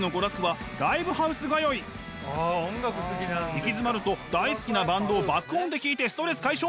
行き詰まると大好きなバンドを爆音で聴いてストレス解消！